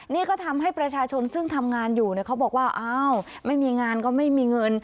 นี่ก็ทำให้ประชาชนซึ่งทำงานอยู่เขาบอกว่าอ้าวไม่มีงานก็ไม่มีเงิน